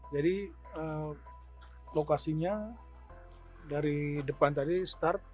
jadi lokasinya dari depan tadi start